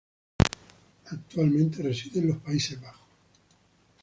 Actualmente reside en los Países Bajos.